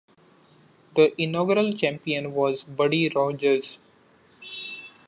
The inaugural champion was Buddy Rogers.